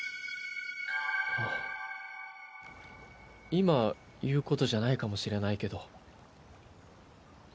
今言うことじゃないかもしれないけど。